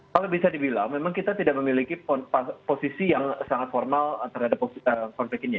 kalau bisa dibilang memang kita tidak memiliki posisi yang sangat formal terhadap konflik ini ya